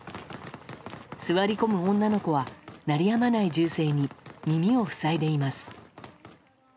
座り込む女の子は鳴りやまない銃声に耳を塞いでいます。